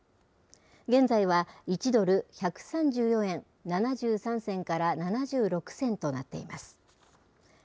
現在は１ドル１３４円７３銭から７６銭となっています。